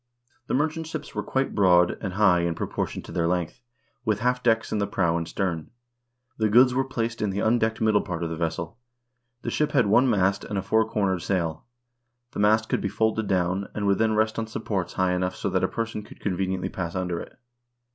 The nuTchant ships were quite broad and high in proportion to their length, with half decks in the prow and stern. The goods were placed in the undecked middle part of the vessel. The ship had one and a i'mir cornered sail. The mast could be folded down, and would then rest on supports high enough so that a person could conveniently pass under it.